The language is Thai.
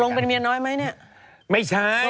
ตรงรวมเป็นเมียน้อยไหมเนี่ย